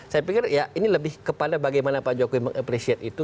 saya pikir ya ini lebih kepada bagaimana pak jokowi mengapresiasi itu